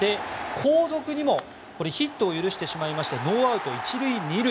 後続にもヒットを許してノーアウト１塁２塁。